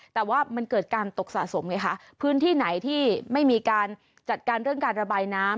แต่ว่ามันเกิดการตกสะสมไงคะพื้นที่ไหนที่ไม่มีการจัดการเรื่องการระบายน้ำ